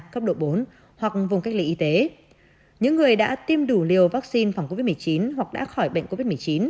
cấp độ bốn hoặc vùng cách ly y tế những người đã tiêm đủ liều vaccine phòng covid một mươi chín hoặc đã khỏi bệnh covid một mươi chín